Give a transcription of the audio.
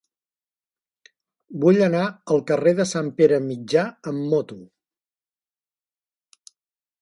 Vull anar al carrer de Sant Pere Mitjà amb moto.